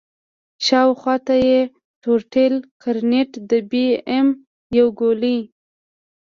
شاوخوا ته يې ټروټيل ګرنېټ د بي ام يو ګولۍ.